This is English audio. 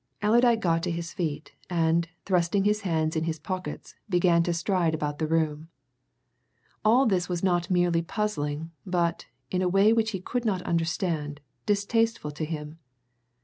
Allerdyke got to his feet, and, thrusting his hands in his pockets, began to stride about the room. All this was not merely puzzling, but, in a way which he could not understand, distasteful to him.